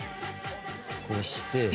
こうして。